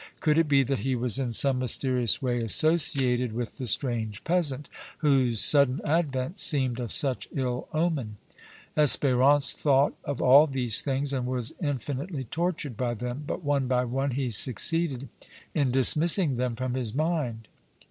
Could it be that he was in some mysterious way associated with the strange peasant, whose sudden advent seemed of such ill omen? Espérance thought of all these things and was infinitely tortured by them, but, one by one, he succeeded in dismissing them from his mind.